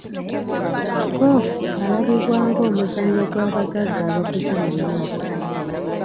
Ggoofu alabibwa ng'omuzannyo gw'abagagga abakuze mu myaka.